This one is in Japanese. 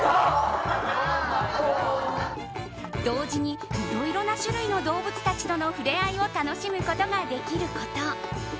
同時にいろいろな種類の動物たちとの触れ合いを楽しむことができること。